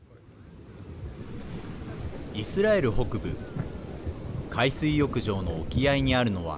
イスラエル北部海水浴場の沖合にあるのは。